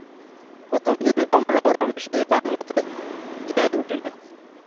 প্রথম দিনে কমলা ও রমেশ এই বাংলাতে গিয়াই উঠিল।